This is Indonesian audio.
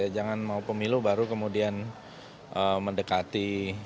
jangan mau pemilu baru kemudian mendekati